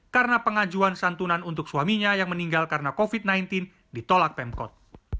karena pengajuan santunan untuk suaminya yang meninggal karena covid sembilan belas ditolak pemkot